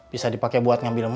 bisa dipake buat ngambil mobil ya